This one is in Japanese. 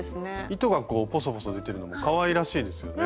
糸がこうポソポソ出てるのもかわいらしいですよね。